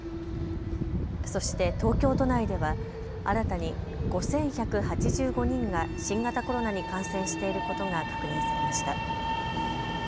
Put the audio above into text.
そして東京都内では新たに５１８５人が新型コロナに感染していることが確認されました。